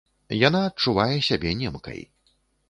Яна адчувае сябе немкай.